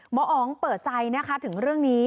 หมออ๋องเปิดใจนะคะถึงเรื่องนี้